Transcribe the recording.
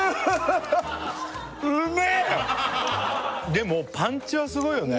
でもパンチはすごいよね